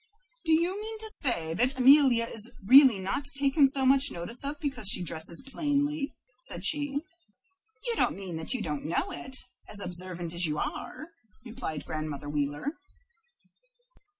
"Do you mean to say that Amelia is really not taken so much notice of because she dresses plainly?" said she. "You don't mean that you don't know it, as observant as you are?" replied Grandmother Wheeler.